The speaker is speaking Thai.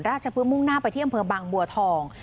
ขนวนราชพื้นมุ่งหน้าไปที่อำเภอบางบัวทอง